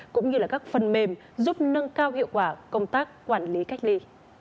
cũng như là các phần mềm giúp nâng cao hiệu quả công tác quản lý cách ly